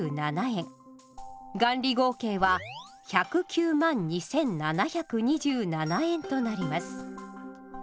元利合計は１０９万２，７２７円となります。